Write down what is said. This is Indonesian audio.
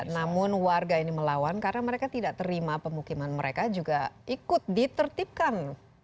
namun warga ini melawan karena mereka tidak terima pemukiman mereka juga ikut ditertibkan